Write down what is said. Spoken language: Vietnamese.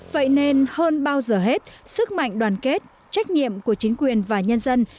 vậy nên hơn bao giờ hết sức mạnh đoàn kết trách nhiệm của chính quyền và nhân dân